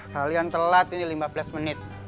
kalian telat ini lima belas menit